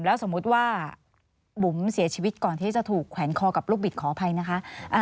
แล้วสมมุติว่าบุ๋มเสียชีวิตก่อนที่จะถูกแขวนคอกับลูกบิดขออภัยนะคะ